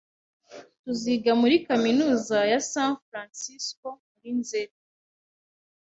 Tuziga muri kaminuza ya San Francisco muri Nzeri.